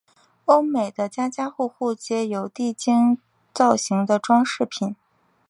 欧美的家家户户皆有地精造型的装饰品。